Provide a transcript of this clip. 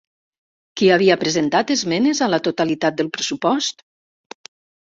Qui havia presentat esmenes a la totalitat del pressupost?